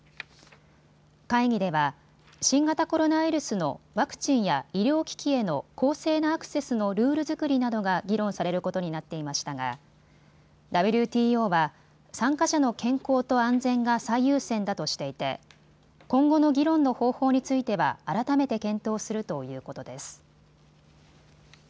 会議では新型コロナウイルスのワクチンや医療機器への公正なアクセスのルール作りなどが議論されることになっていましたがＷＴＯは参加者の健康と安全が最優先だとしていて今後の議論の方法については改めて検討するということです。